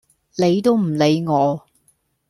理都唔理我